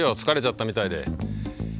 疲れちゃったみたいで。